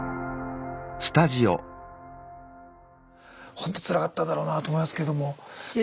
ほんとつらかっただろうなと思いますけどもいや